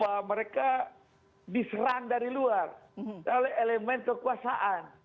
karena mereka diserang dari luar oleh elemen kekuasaan